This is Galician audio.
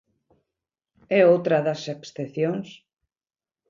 É outra das excepcións.